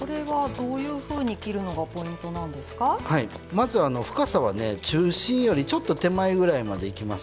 まず深さはね中心よりちょっと手前ぐらいまでいきます。